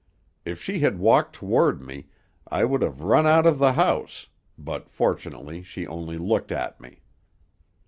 If she had walked toward me, I would have run out of the house, but fortunately she only looked at me.